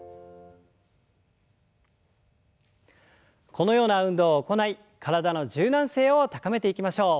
このような運動を行い体の柔軟性を高めていきましょう。